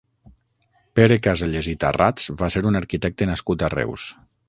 Pere Caselles i Tarrats va ser un arquitecte nascut a Reus.